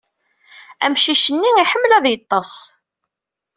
Amcic-nni iḥemmel ad yeḍḍes.